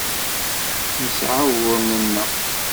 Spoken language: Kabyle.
Nesɛa uguren-nneɣ.